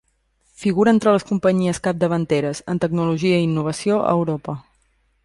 Figura entre les companyies capdavanteres en tecnologia i innovació a Europa.